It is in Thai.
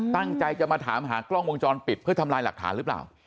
ตั้งใจจะมาถามหากล้องวงจรปิดเพื่อทำลายหลักฐานหรือเปล่า